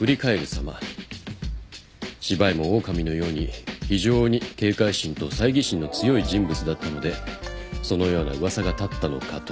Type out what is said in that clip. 司馬懿もオオカミのように非常に警戒心と猜疑心の強い人物だったのでそのような噂が立ったのかと。